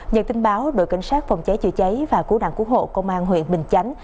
nhờ tin báo đội cảnh sát phòng cháy chữa cháy và cứu nạn cứu hộ công an huyện bình chánh